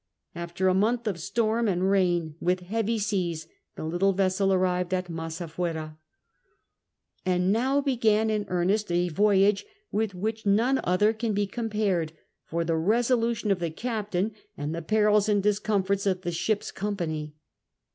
After a month of storm and rain Avith heavy seas the little vessel arrived at Masafuera. And now began in earnest a voyage, with which none othei* can be compared, for the resolution of the cai)tain and the jierils and discomforts of the ship's com pany.